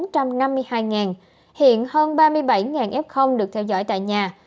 trong năm hai nghìn hai mươi hai hiện hơn ba mươi bảy f được theo dõi tại nhà